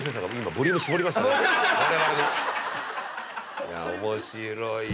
いや面白い。